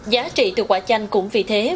giá trị từ quả chanh cũng vì thế